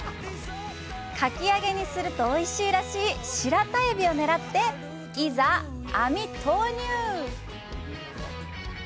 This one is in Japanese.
かき揚げにするとおいしいらしいシラタエビを狙って、いざ、網投入！